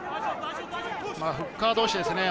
フッカー同士ですね。